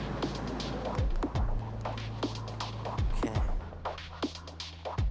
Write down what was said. guys kita berangkat